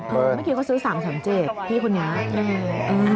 เมื่อกี้เขาซื้อ๓๓๗พี่คนนี้